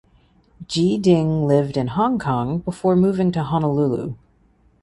Jy Ding lived in Hong Kong before moving to Honolulu.